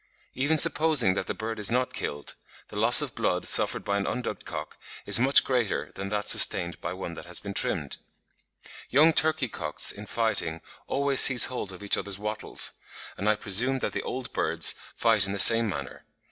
Even supposing that the bird is not killed, the loss of blood suffered by an undubbed cock is much greater than that sustained by one that has been trimmed." (94. Tegetmeier, 'The Poultry Book,' 1866, p. 139.) Young turkey cocks in fighting always seize hold of each other's wattles; and I presume that the old birds fight in the same manner.